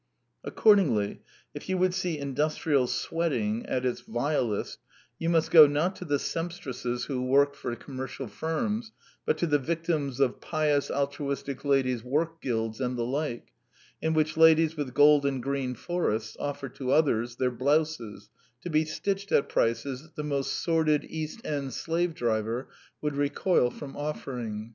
Accord ingly, If you would see industrial sweating at its 156 The Quintessence of Ibsenism vilest, you must go, not to the sempstresses who work for commercial firms, but to the victims of pious Altruistic Ladies' Work Guilds and the like, in which ladies with gold and green forests offer to ^' others " their blouses to be stitched at prices that the most sordid East End slave driver would recoil from offering.